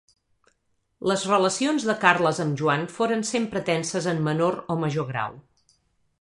Les relacions de Carles amb Joan foren sempre tenses en menor o major grau.